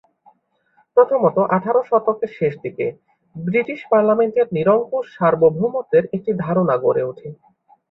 প্রথমত, আঠারো শতকের শেষদিকে ব্রিটিশ পার্লামেন্টের নিরঙ্কুশ সার্বভৌমত্বের একটি ধারণা গড়ে ওঠে।